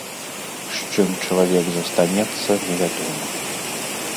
З чым чалавек застанецца, невядома.